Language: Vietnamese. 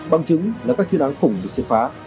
bằng chứng là các chuyên án khủng được triệt phá